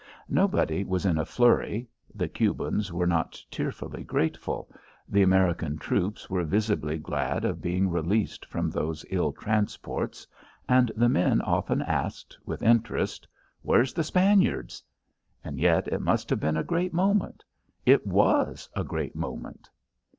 Nobody was in a flurry; the Cubans were not tearfully grateful; the American troops were visibly glad of being released from those ill transports, and the men often asked, with interest, "Where's the Spaniards?" And yet it must have been a great moment! It was a great moment!